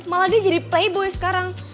malah dia jadi playboy sekarang